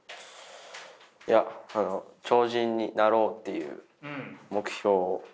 いや超人になろうという目標を。